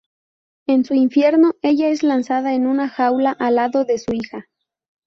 En su infierno, ella es lanzada en una jaula al lado de su hija.